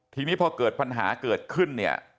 ทีนี้พอเกิดปัญหาเกิดขึ้นเนี่ย